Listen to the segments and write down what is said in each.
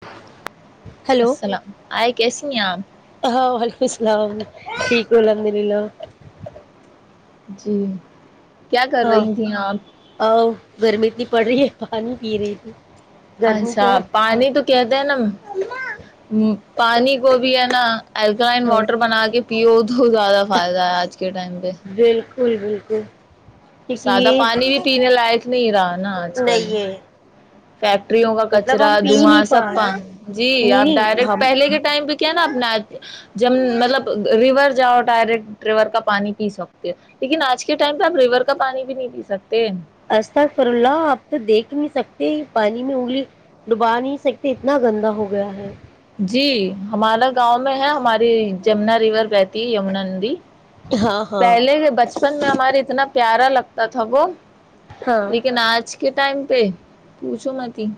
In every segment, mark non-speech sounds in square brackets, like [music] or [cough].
بچ السلام آ کیسی آپ ہاں وعلیکم السلام ٹھیک الحمد للہ جی کیا کر ہاں رہی تھیں آپ ا گرمینی پڑ رہی ہے پانی پی رہی تھی گرمی اچھا تو ہاں پانی تو کہتے ہیں نا پانی کو بھی ہے نا الکلائن ہاں واٹر بنا کے پیو بہت زیادہ فائدہ ہے آجل اک کے ٹائم پہ بکل بالکل کیونکہ سادہ یہ پانی بھی پینے لائق ت نہیں راج ن آج کل نہیں ہے فیکٹریوں کا مطلب کچرا ہم پی نہیں دھواں پا سب رہے کا جی نہیں آپ نہیں ڈائریکٹ ہم پہلے کے ٹائم پہ کیا نا اپ جب مطلب [unintelligible] ریور جاؤ ڈائریکٹ ریور کا پانی پی سکتے لیکن آج کے ٹائم پہ آپ ریور کا پانی بھی نہیں پی سکتے [unintelligible] اک فر اللہ آپ تو دیکھ نہیں سکتے پانی میں انگلی ڈبا نہیں سکتے اتنا گندا ہو گیا ہے [unintelligible] جی ہمارا گاؤں میں ہے ہماری جمنا ریور بی [unintelligible] یمنندی ہاں ہاں پہلے کے بچپن میں ہمارے اتنا پیارا لگتا [unintelligible] ت ہب [inaudible] ہاں لیکن آج کے ٹائم [unintelligible] پ پوھو م [unintelligible]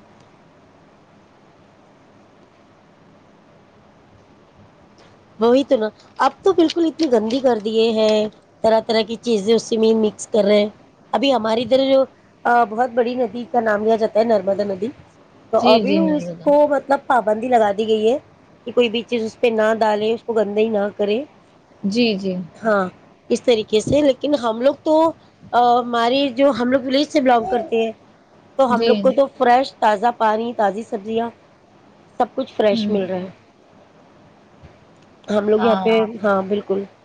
وہی تو نا اب تو بالکل اتنی گندی کر دیے ہیں طرح طرح کی چیزیں اس سے میں مکس کر رہے ہیں ابھی ہماری ادھر جو بہت بڑی ندی کا نام لیا جاتا ہے نرمدا ندی [unintelligible] تو جی ابھی جی اس نرمدا کو مطلب [unintelligible] پابندی لگا دی گئی ہے کہ کوئی بھی چیز [unintelligible] پ نہ ڈالے اس کو گندا ہی نہ کرے [unintelligible] جی جی [inaudible] ہاں اس طریقے سے لیکن ہم لوگ تو ہماری جو ہم لوگ پولیس سے بلانگ کرتے ہیں تو ہم جی لوگ کو تو فریش تازہ پانی تازی سبزیاں سب کچھ فریش ہوں مل رہا ہے ہم لوگ یہاں پہ ہاں ہاں بالکل [unintelligible]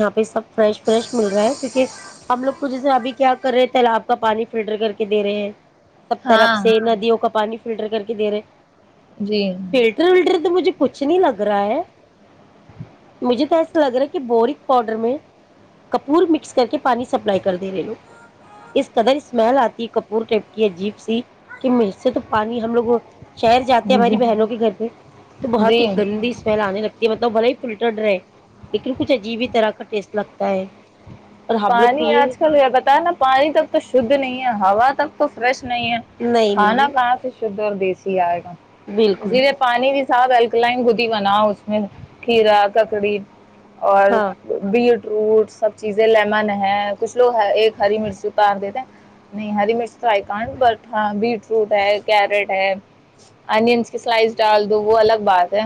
یہاں پہ سب فریش فریش مل رہا ہے کیونکہ ہم لوگ کھ جیسے ابھی کیا کر رہے تیلاب کا پانی فلٹر کر کے دے رہے ہیں [unintelligible] سب طرف ہاں سے ندیوں کا پانی [unintelligible] فلٹر کر کے دے رہے جی [unintelligible] فلٹر ولٹر مجھے کچھ نہیں لگ رہا ہے مجھے تو ایسا لگ رہا ہے کہ بورک پاؤڈر میں کپور مکس کر کے پانی سپلائی کر دے رہے لوگ اس قدر اسمیل آتی کپور ٹپ کی عجیب سی کہ سے تو پانی ہم لوگ شہر جاتے ہماری جی بہنوں کے گھر پہ تو بہت جی ہی گندی اسمیل آنے لگتی مطلب بھلا ہی فلٹرڈ رہے لیکن کچھ اجیبت اس طرح کا ٹیسٹ لگتا ہے اور ہم لوگ پانی پیے آج کل بتا نا پانی اب تو شھ نہیں ہے ہوا تب [inaudible] نہیں ہے نہیں کھانا نہیں کہاں سے شھ اور دیسی آئے گا بالکل اسی لیے پانی بھی ساف الکلائن خود ہی بنا اس میں کھیرا ککڑی اور ہاں بیڈ ٹوٹ سب چیز [inaudible] لیمن ہے کچھ لوگ ایک ہری مرچ اتار دیتے نہیں ہری مرچ تو آئی ک بٹ ہاں بیٹروٹ ہے کیرٹ ہے انینس کی سلائس ڈال دو وہ الگ بات ہے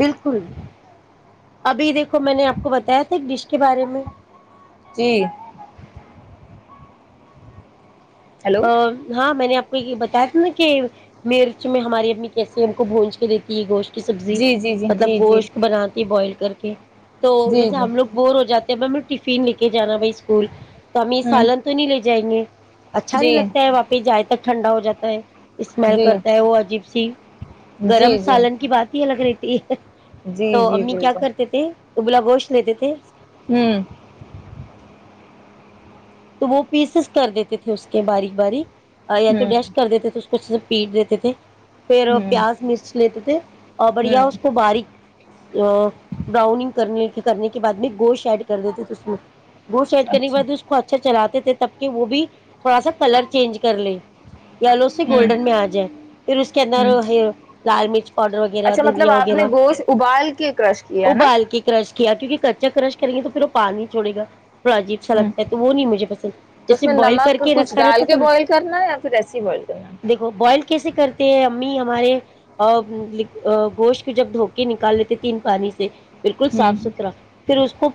بالکل ابھی دیکھو میں نے آپ کو بتایا تھا ایک ڈش کے بارے میں جی [inaudible] ہیلو ہاں میں نے کوئی بتایا تھا نا کہ مرچ میں ہماری امی کیسسی ہم کو بونج کے دیتی یہ گوشت سبزی جی جی جی مطلب جی جی گوشت کو بناتی بوائل کر کے تو جی جی جیسے ہم لوگ بور ہو جاتے میں ٹفین لے کے جانا بائی اسکول تو ہم یہ ہوں سالن تو نہیں لے جائیں گے اچھا نہیں جی لگتا ہے واپس جائے تک ٹھنڈا ہو جاتا ہے اسمل جی کرتا ہے وہ عجیب خب سے گرم جی جی سالن کی بات ہی الگ رہتی [inaudible] جی تو جی امی کیا بالکل کرتے تھے ابلا گوشت لیتے تھے [inaudible] ہوں [inaudible] تو وہ پیسز کر دیتے تھے اس کے باریک باریک یا تو ہوں ڈیش کر تھے کچھ سے پیٹ دیتے تھے پھر ہوں پیاز مرچ لیتے تھے اور بڑھیا ہوں اس کو باریک براؤننگ کرنے کرنے کے بعد میں گوشت ایڈ کر دیتے تھے اس میں بہت سائڈ کرنی اچھا ب اسو [unintelligible] چلاتے تھے تب کہ وہ بھی تھوڑا سا کلر چینج کر لے یلو سے ہوں گولڈن میں آ جائے پھر اس کے اندر ہوں لال مرچ پاؤڈر وغیرہ اچھا مطلب دھنیا آپ نے وغیرہ گوشت ابال کے کرش کیا ہے نا ابال کے کرش کیا کیونکہ کچا کررش کریں گے تو پھر وہ پانی چھوڑےا پراجیب ہ سلب [unintelligible] وہ نہیں مجھے پسند تو اس جیسے میں بوائل کر نمک کے کچھ رکھا ڈال رہتا کے تھا نا بوائل کرنا ہے یا پھر ایسے ہی بوائل کرنا دیکھو بوائل کیسے کرتے ہیں امی ہم ہمارے گوشت کو جب دھوکے نکال لیتے تین پانی سے بالکل ہے ہ صاف ستھرا پھر اس کو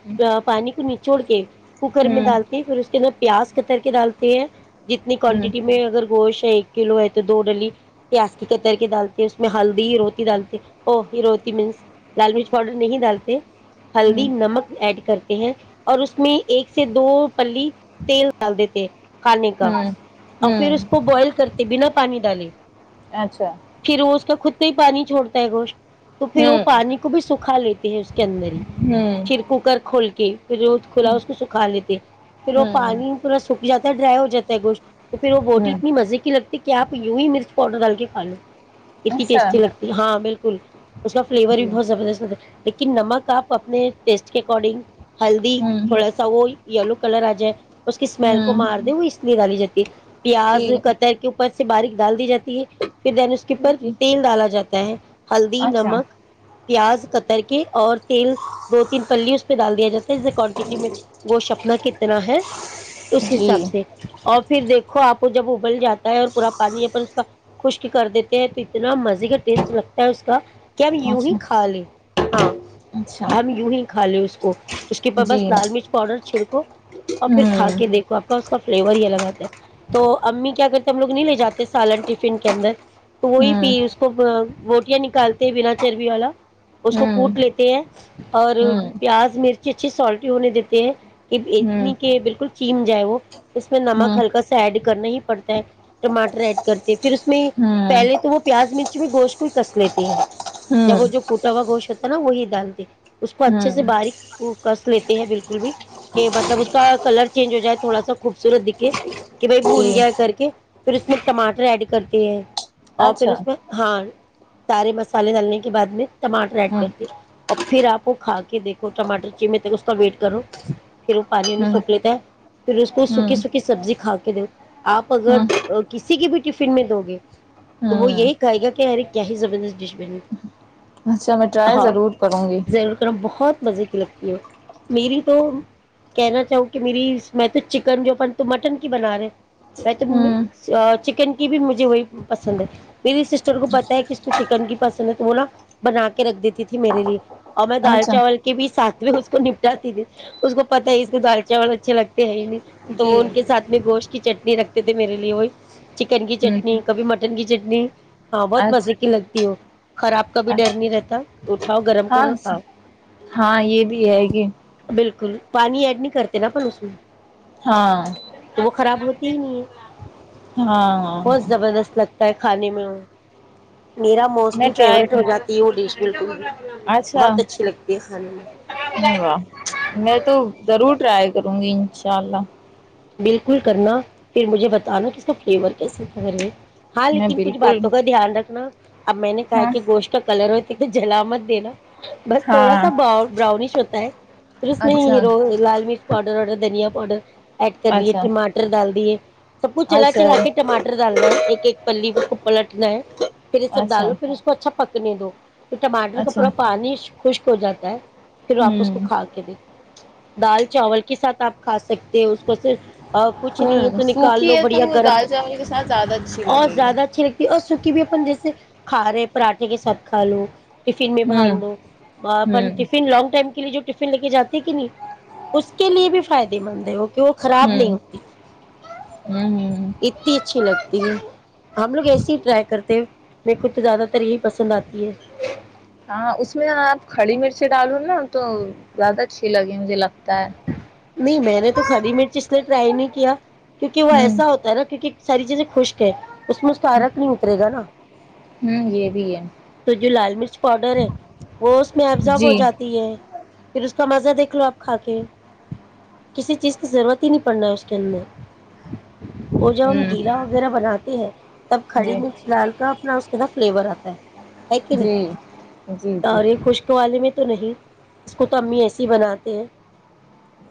پانی کو نچوڑ کے کوکر میں ہ ڈال پھر اس کے اندر پیاز کتر کے ڈالتے ہیں جتنی ہ کوانٹٹی میں اگر گوشت ایک کلو ہے تو دو ڈلی پیاز کی کتر کے ڈالتے ہیں اس میں ہلدی ہیروتی ڈالتے او ہ روتی مینس لال مرچ پاؤڈر نہیں ڈالتے ہلدی ہ نمک ایڈ کرتے ہیں اور اس میں ایک سے دو پلی تیل ڈال دی تھ کھانے کا ہ اور پھر ہوں اس کو بوائل کرتے بنا پانی ڈالے اچھا پھر وہ اس کا خود ہی پانی چھڑتا ہے گوشٹ تو پھر وہ ہوں پانی کو بھی سکھا لیتے ہیں اس کے اندر ہی ہوں پھر کوکر کھول کے پھر وہ کھلا اس کو سکھا لیتے ہیں پھر وہ ہوں پانی پورا سک جا ڈرائی ہو جات ہے گٹ تو پھر وہ بوٹی ہ اتنی مزے کی لگتی کیا آپ یو ہی مرچ پاؤڈر ڈال کے کا لو کتتی اچھا ٹیسٹی لگتی ہاں بالکل اس کا فلیور بھی جی بہت زبردست ہوگ ہے لیکن نمک آپ اپنے ٹیسٹ کے اکارڈنگ ہلدی ہوں تھوڑا سا وہ یلو کلراجے [unintelligible] اس کی اسمیل کو ہوں مار دیں وہ اس لیے ڈالی جاتی ہے پیاز جی قطر کے اوپر سے باریک ڈال دی جاتی پھر دین اس کے اوپر جی تیل ڈالا جاتا ہے ہلدی اچھا نمک پیاز کتر کے اور تیل دو تین پلی اس پہ ڈال دیا جاتا ہے جے کوانٹٹی میں گوشت اپنا کتنا ہے اس جی حساب سے اور پھر دیکھو آپ جب ابل جاتا ہے اور پورا پانی اس کا خشک کر دیتے ہیں تو اتنا مزے کا ٹیسٹ لگتا ہے اس کا کہ ہم یوں ہی اچھا کھا لے ہاں اچھا ہم یوں ہی کھا لے اس کو ا اس کےوپر بس جی لال ہوں مرچ پاؤڈر چھڑکو اور پھر کھا ہوں کے دیکھو آپ کو اس کا فلیور ہی الگ آتا ہے تو امی کیا کرتے ہیں ہم لو نہیں لے جاتے سالن ٹفن کے اندر تو وہی ہوں پی اس کو بوٹیاں نکالتے ہیں بنا چربی والا اس کو ہوں کوٹ لیتے ہیں اور پیاز مرچی اچھی سالٹی ہونے دیتے ہیں ہوں یہ بالکل کھیم جائے وہ اس میں نمک ہوں ہلکا ایڈ کرنا ہی پڑتا ہے ٹماٹر ایڈ کرتے پھر اس میں ہوں پہلے تو وہ پیاز مرچ میں گوشت کو ہی کس لیتے ہیں ہوں جب وہ جو کوٹا ہوا گوشت ہوتا ہے نا وہی ڈالتے اس کو اچھے ہوں سے باریک وہ کرس لیتے ہیں بالکل بھی کہ مطلب اس کا کلر چینج ہو جائے تھوڑا سا خوبصورت دکھے کہ بھائی جی بھون گیا کر کے پھر اس میں ٹماٹر ایڈ کرتی ہے اور پھر اچھا اس میں ہاں سارے مسالے ڈالنے کے بعد میں ٹماٹر ایڈ ہوں کرتے اور پھر آپ وہ کھا کے دیکھو ٹماٹر چی تک اس کا ویٹ کرو پھر پانی وانی ہوں سوک لیتے ہے پھر اس کو سوکھی ہوں سکھی سبزی کھا کے دو آپ اگر ہوں کسی کے بھی ٹفن میں دو گے تو وہ ہوں یہی کہے گا کہ ارے کیا ہی زبردست ڈش بنی اچھا میں ٹرائی ہاں ضرور کروں گی ضرور کرنا بہت مزے لگتی ہو میری تو کہنا چاہوں کہ میری میں تو چکن جو اپن مٹن کی بنا رہے میں ہوں تو چکن کی بھی مجھے وہی پسند ہے میری سسٹر کو پتا ہے کہ اس کو چکن کی پسند ہے تو وہ نا بنا کے رکھ دیتی تھی میرے لیے اور میں دال اچھا چاول کے بھی ساتھ اس کو نپٹاتی تھی اس کو پتہ ہے اس کو دال چاول اچھے لگتے ہیں ہی نہیں تو جی وہ ان کے ساتھ میں گوشت کی چٹنی رکھتے تھے میرے لیے وہی چکن کی ہوں چٹنی کبھی م ٹنگ کی چٹنی ہاں بہت اچھا مزے کی لگتی ہو خراب کا بھی ڈر اچھا نہیں رہتا اٹھاؤ گرم ہاں کرو کھاؤ ہاں یہ بھی ہے گی کل [inaudible] پانی ایڈ نہیں کرتے نا پ اس میں ہاں تو وہ خراب ہوتی ہی نہیں ہاں بہت ہاں زبردست لگتا ہے خھانے ملو میرا میں موسٹلی ٹرائی فیوریٹ کر ہو جاتی ہے وہ ڈش بالکل بہت اچھی لگتی ہے ہل ہ واہ میں تو ضرور ٹرائی کروں گی انشاء اللہ بالکل کرنا پھر مجھے بتانا کہ اس کا فلیور کیسے تھا یہ ہاں میں لیکن کچھ بالکل باتوں کا دھیان رکھنا اب میں نے کہا ہاں کہ گوشتک کلر ہوتی تو جلا م د نا [inaudible] [inaudible] [inaudible] ہاں اچھا [unintelligible] [inaudible] [inaudible] [inaudible] [inaudible] [inaudible] اچھا اچھا اچھا تو ٹماٹر کا اچھا پورا پانی خشک ہو جاتا ہے [inaudible] پھر آپ اس کو ہوں کھا کے دیک [inaudible] دال چاول کے ساتھ آپ کھا سکتے [inaudible] اس کو صرف [inaudible] [inaudible] ہوں سوکھی ہے تو وہ دال چاول کے ساتھ زیادہ اچھی لگے گی کی بھی اپن جیسے کھا رہے پراھے کے ساتھ کھا لو ہوں ہوں [inaudible] [inaudible] کہ وہ خراب نہیں ہوں ہوتی ہوں ہوں اتنی اچھی لگتی ہے ہم لوگ ایسے ہی ٹرائی کرتے ہیں میرے کو تو زیادہ تر یہی پسند آتی ہے ہاں اس میں آپ کڑی مرچ ڈالو نا تو بگا ش ل کی مجھے لگتا ہے نہیں میں نے تو خری مرچ اس لیے ٹرائی نہیں کیا کیونکہ وہ ہوں ایسا ہوتا ہےا کیونکہ ساری چیزیں خشک ہے اس میں اس کا عرق نہیں اترے گا نا ہ یہ بھی ہے تو جو لال مرچ پاؤڈر ہے وہ میں ایفزاب ہو جی جاتی ہے پھر اس کا مزہ دیکھ لو آپ کھا کے کسی چیز کی ضرورت ہی نہیں پڑنا ہے اس کے اندر اور جب ہم ہوں گیلا وغیرہ بناتے ہیں تب کھڑی جی مرچ ڈال کا اپنا اس کے فلیور آتا ہے ہے کہ نہیں جی جی تو جی اور یہ خشک والے میں تو نہیں اس کو تو امی ایسی بناتے ہیں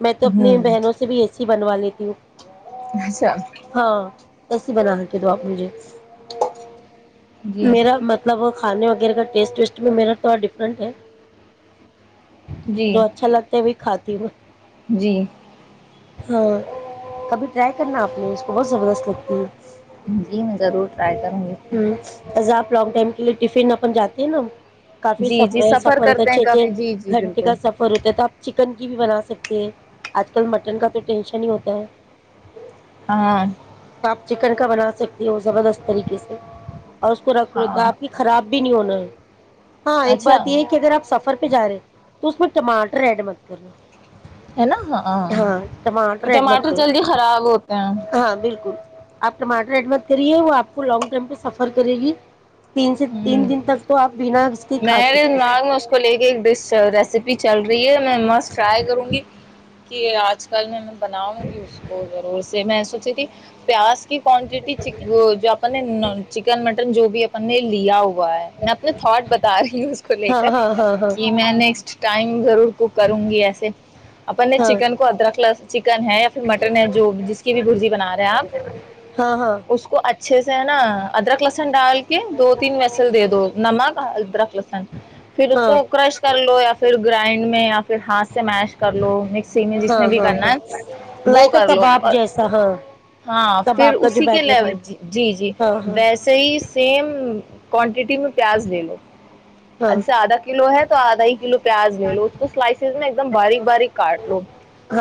میں تو اپنی ہوں بہنوں سے بھی ایسے ہی بنوا لیتی ہوں اچھا ہاں ایسیے بنا ر کے تو آپ مجھے جی میرا مطلب کھانے وغیرہ کا ٹیسٹ ویسٹ میں میرا تھوڑا ڈفرنٹ ہے جی جو اچھا لگتا ہے وہ کھاتا تی وہ جی ہاں کبھی ٹرائی کرنا آپ نے اس کو بہت زبردست لگتی ہے جی میں ضرور ٹرائی کروں گی ہوں ایزا آپ لانگ ٹائم کے لیے ٹفن اپن جات ہیں نا کافی جی سف جی سفر ہوتا ہے کرتے ہیں چھ کافی جی چھ جی گھنٹے بالکل کا سفر ہوتا ہے تھا چکن بھی بنا سکتے ہیں آج کل مٹن کا تو ٹینشن ہی ہوتا ہے ہاں تو آپ چکن کا بنا سکتے ہو زبردست طریقے سے اور اس کو رکھ رو ہاں آپ کی خراب بنون ہاں ایک بات اچھا یہ ہے کہ اگر آپ سفر پہ جا رہے ہیں تس میں ماٹر ایڈ م کرنا ہے نا ہاں ایڈ مت ٹماٹر کرو جلدی خراب ہوتے ہیں ہاں بالکل آپ ٹماٹر ایڈ مت کریے وہ آپ کو لانگ ٹائم پہ سفر کرے گی تین سے ہوں تین دن تک تو آپ بنا اس کے کھا میرے سکتے ہیں۔ ناگ نے اس کو لے کے ایک ڈش ریسیپی چل رہی ہے میں مس ٹرائی کروں گی کہ آج کل نے مطلب بناؤں گی اس کو ضور سے میں س جیی پیاس کوانٹیٹی جو اپ نے چکن مٹن جو بھی پنے لی آؤ ا ہے میں اپنے تھٹ بتا رہی ہوں اس کو لے ہاں کر ہاں کہ ہاں میں نیکسٹ ٹائم ضرور کو کروں گی ایسے اپ چکن کو ادرک چکن ہے یا پھر مٹن ہے جو جس کی بھی بزی بنا رہے ہیں ہاں ہاں ہاں آپ اس کو اچ چیسے ہےا ادر ک لسن ڈاال دو تین میسل دے دو نمک رکھ سن پھر اس ہاں کو کرش کر لو یا پھر گرائنڈ میں آپ پھر ہاتھ سے میش کر لو مکس میں جس ہاں ہاں میں بھی ہاں کرنا ہاں ہے وہ لائک کر لو کباب اور جیسا ہاں ہاں پھر کباب کا جو اسی کے بیٹر بن لی جی جی ہاں ہاں ویسے ہی سیم کوانٹیٹی میں پیاز لے لو ہاں جیسے آدھا کلو ہے تو آدھا ہی کلو پیاز لے لو اس کو سلائسیز میں ایک دم باریک باریک کاٹ لو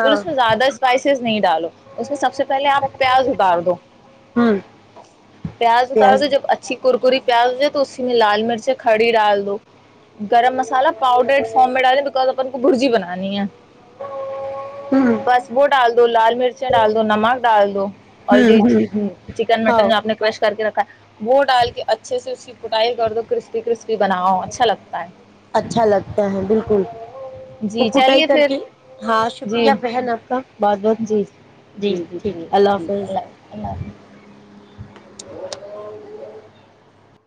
پھر اس میں زیادہ اسپائسیز نہیں ڈالو اس میں سب سے پہلے آپ پیاز اتار دو ہوں پیاز اتار دو جب اچھی کرکری پیاز تو اسی میں لال مرچ کھڑی ڈال دو گرم مسالا پاؤڈرڈ فارم میں ڈالیں بکز اپن کو برجی بنا [inaudible] ہوں بس وہ ڈال دو لال مرچیں ڈال دو نمک ڈال دو اور ہوں جی ہوں چکن ہاں مٹن آپ نے کرش کر کے رکھا ہے وہوہ ڈال کے اچھے سے اس کی کٹھ کر دو ک کرسی کرست بناؤ اچھا لگتا ہے اچھا لگتا ہے بالکل وہ جی کٹائی چلیے کر پھر کے ہاں شکریہ بہن آپ کا بہت بہت جی جی جی جی ٹھیک ٹھیک اللہ حفظ اللہ حافظ [inaudible]